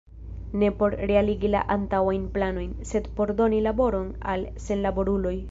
Ne por realigi la antaŭajn planojn, sed por doni laboron al senlaboruloj.